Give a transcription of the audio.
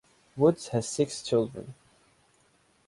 Woods has six children.